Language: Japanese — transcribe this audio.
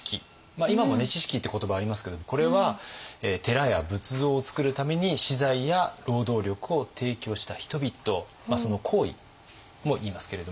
今もね「知識」って言葉ありますけどもこれは寺や仏像をつくるために私財や労働力を提供した人々その行為もいいますけれども。